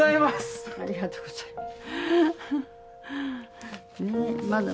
ありがとうございます。